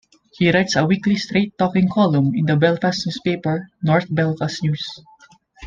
He writes a weekly "Straight Talking" column in the Belfast newspaper "North Belfast News".